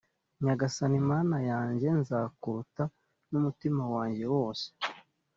nyagasani, mana yanjye, nzakurata n'umutima wanjye wose